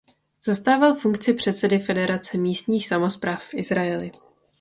Zastával funkci předsedy Federace místních samospráv v Izraeli.